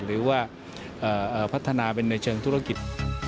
หรือว่าพัฒนาเป็นในเชิงธุรกิจ